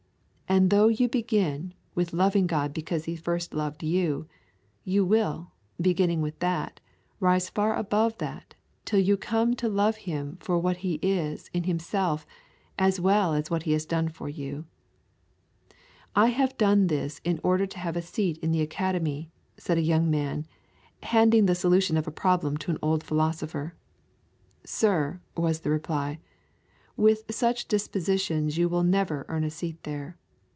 And though you begin with loving God because He first loved you, you will, beginning with that, rise far above that till you come to love Him for what He is in Himself as well as for what He has done for you. 'I have done this in order to have a seat in the Academy,' said a young man, handing the solution of a problem to an old philosopher. 'Sir,' was the reply, 'with such dispositions you will never earn a seat there.